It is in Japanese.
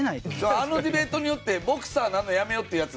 だからあのディベートによってボクサーになるのやめようっていうヤツ